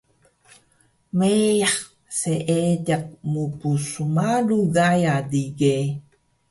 Meyah seediq mpsmalu Gaya dige